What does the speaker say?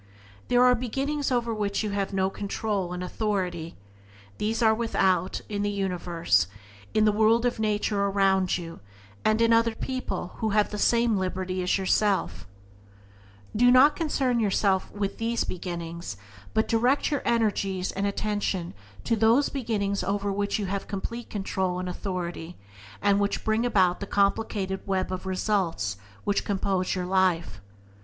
There are beginnings over which you have no control and authority — these are without, in the universe, in the world of nature around you, and in other people who have the same liberty as yourself. Byways to Blessedness by James Allen 5 Do not concern yourself with these beginnings, but direct your energies and attention to those beginnings over which you have complete control and authority, and which bring about the complicated web of results which compose your life.